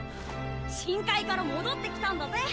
深海から戻ってきたんだぜ。